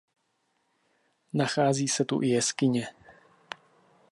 Nachází se tu i jeskyně.